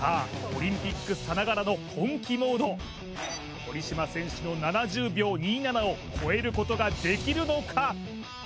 オリンピックさながらの本気モード堀島選手の７０秒２７を超えることができるのか